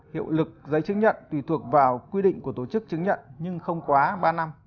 hiệu lực giấy chứng nhận tùy thuộc vào quy định của tổ chức chứng nhận nhưng không quá ba năm